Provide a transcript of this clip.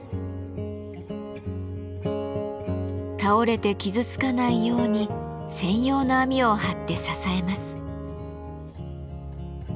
倒れて傷つかないように専用の網を張って支えます。